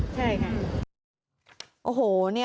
ใช่ค่ะ